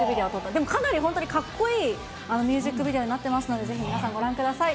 でも、かなり本当にかっこいいミュージックビデオになってますので、ぜひ皆さんご覧ください。